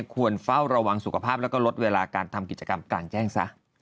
ควรเฝ้าระวังสุขภาพแล้วก็ลดเวลาการทำกิจกรรมกลางแจ้งซะ